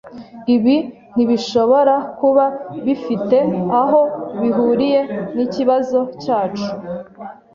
Ibi ntibishobora kuba bifite aho bihuriye nikibazo cyacu.